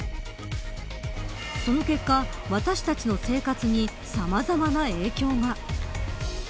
その結果、私たちの生活にさまざまな影響が。